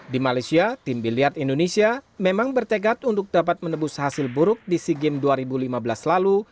di malaysia tim biliar indonesia memang bertekad untuk dapat menebus hasil buruk di sea games dua ribu lima belas lalu